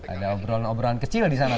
ada obrolan obrolan kecil disana